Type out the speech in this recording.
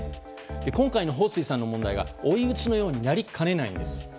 今回のホウ・スイさんの問題が追い打ちのようになりかねないんです。